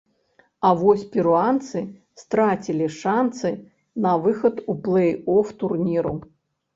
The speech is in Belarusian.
А вось перуанцы страцілі шанцы на выхад у плэй-оф турніру.